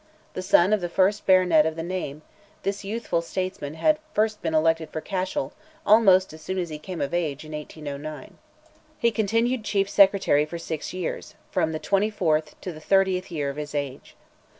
The son of the first baronet of the name—this youthful statesman had first been elected for Cashel, almost as soon as he came of age, in 1809. He continued Chief Secretary for six years, from the twenty fourth to the thirtieth year of his age.